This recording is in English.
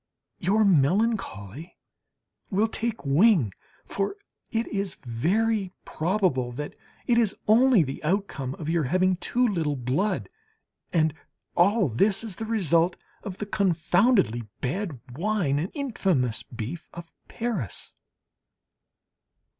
Your melancholy will take wing, for it is very probable that it is only the outcome of your having too little blood. And all this is the result of the confoundedly bad wine and infamous beef of Paris.